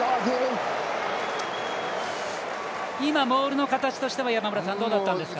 今、モールの形としてはどうだったんですか。